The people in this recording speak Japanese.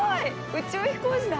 宇宙飛行士だ！